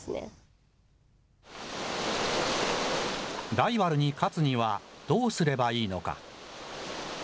ライバルに勝つにはどうすればいいのか。